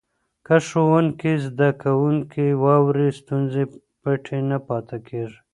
که ښوونکی زده کوونکي واوري، ستونزې پټې نه پاته کېږي.